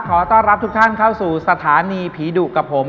ขอต้อนรับทุกท่านเข้าสู่สถานีผีดุกับผม